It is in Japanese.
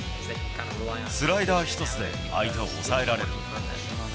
スライダー１つで相手を抑えられる。